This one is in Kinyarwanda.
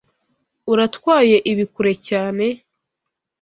Uratwaye ibi kure cyane.